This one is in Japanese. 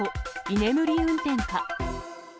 居眠り運転か。